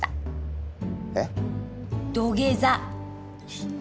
えっ？